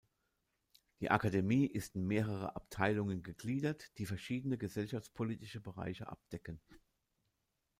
Die Akademie ist in mehrere Abteilungen gegliedert, die verschiedene gesellschaftspolitische Bereiche abdecken.